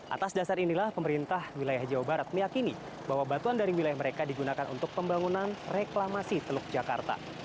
atas dasar inilah pemerintah wilayah jawa barat meyakini bahwa batuan dari wilayah mereka digunakan untuk pembangunan reklamasi teluk jakarta